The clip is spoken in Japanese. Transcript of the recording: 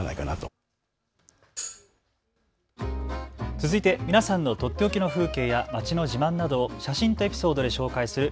続いて皆さんのとっておきの風景や街の自慢などを写真とエピソードで紹介する＃